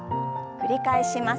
繰り返します。